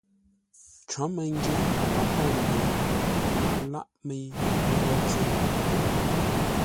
Cǒ məngyě gháp môu yé láʼ mə́i ngwó tyer.